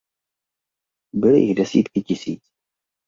Byly jich desítky tisíc.